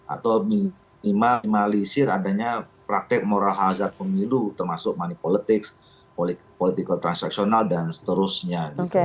atau minimalisir adanya praktik moral hazard pemilu termasuk money politics political transactional dan seterusnya